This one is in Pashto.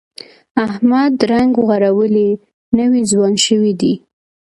احمد رنګ غوړولی، نوی ځوان شوی دی.